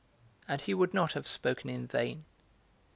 And he would not have spoken in vain.